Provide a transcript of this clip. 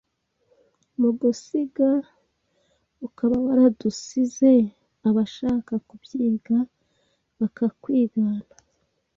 Mu gusiga ukaba waradusizeAbashaka kubyiga bakakwigana